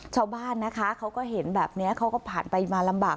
ชาวบ้านนะคะเขาก็เห็นแบบนี้เขาก็ผ่านไปมาลำบาก